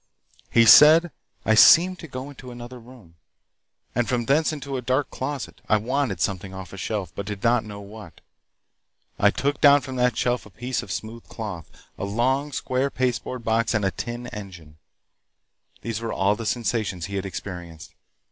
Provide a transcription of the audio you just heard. "He said I seemed to go into another room, and from thence into a dark closet. I wanted something off the shelf, but did not know what. I took down from the shelf a piece of smooth cloth, a long, square pasteboard box and a tin engine. These were all the sensations he had experienced.